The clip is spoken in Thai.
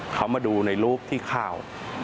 เขามาดูในรูปที่ข้าว